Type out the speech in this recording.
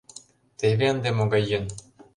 Теве ынде могай йӧн.